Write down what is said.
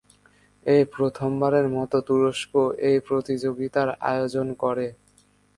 এই প্রথমবারের মত তুরস্ক এই প্রতিযোগিতার আয়োজন করে।